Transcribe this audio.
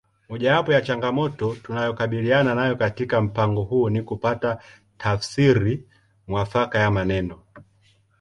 Mojawapo ya changamoto tunayokabiliana nayo katika mpango huu ni kupata tafsiri mwafaka ya maneno